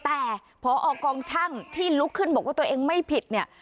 แต่พอกองช่างที่ลุกขึ้นบอกว่าตัวเองไม่ผิดเนี่ย